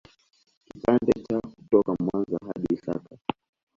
Kipande cha kutoka Mwanza mpaka Isaka